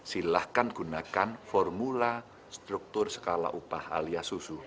silahkan gunakan formula struktur skala upah alias susu